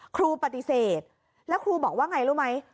ครูปฏิเสธแล้วครูบอกว่าไงรู้ไหม